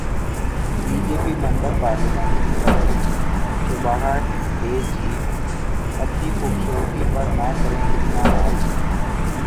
be J P member parliament کا tweet, Shobha De ji, اپنی خوبصورتی پر نہ کریں اتنا ناز